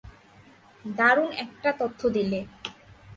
দারুণ একটা তথ্য দিলে।